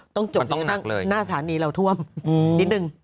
ต้องจบจนกระทั่งหน้าสถานีเราท่วมนิดนึง